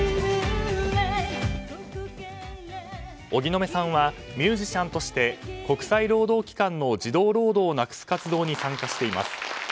荻野目さんはミュージシャンとして国際労働機関の児童労働をなくす活動に参加しています。